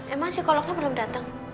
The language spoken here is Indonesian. emang psikolognya belum dateng